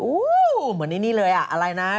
อู้วเหมือนนี่เลยอะไรนะ